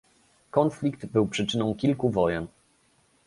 Konflikt był przyczyną kilku wojen